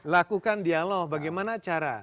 lakukan dialog bagaimana cara